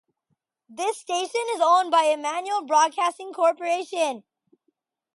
The station is owned by Emmanuel Broadcasting Corporation.